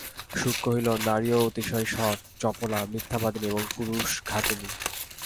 শুক কহিল, নারীও অতিশয় শঠ, চপলা, মিথ্যাবাদিনী ও পুরুষঘাতিনী।